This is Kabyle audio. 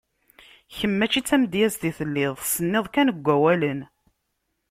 Kemm mačči d tamedyazt i telliḍ, tsenniḍ kan deg wawalen.